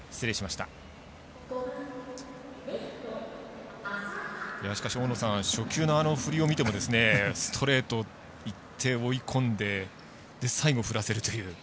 しかし初球の振りを見てもストレートいって追い込んで最後、振らせるという。